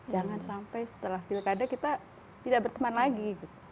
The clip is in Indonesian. jangan sampai setelah pilkada kita tidak berteman lagi